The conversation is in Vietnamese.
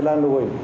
là lắp camera lùi